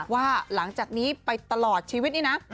ว่าหลังจากนี้ไปตลอดชีวิตนี่นะ